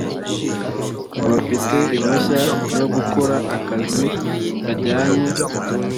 bafite impushya zo gukora akazi kajyanye